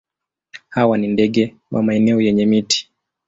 Hawa ni ndege wa maeneo yenye miti.